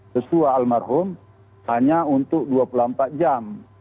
sesuai almarhum hanya untuk dua puluh empat jam